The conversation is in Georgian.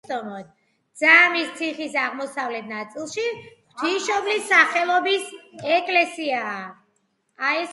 ძამის ციხის აღმოსავლეთ ნაწილში ღვთისმშობლის სახელობის ეკლესიაა.